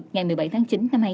ngày một mươi bảy tháng hai